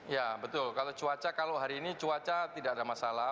ya betul kalau cuaca kalau hari ini cuaca tidak ada masalah